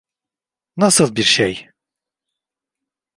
Nasıl bir şey?